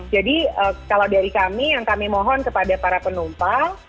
jadi kalau dari kami yang kami mohon kepada para penumpang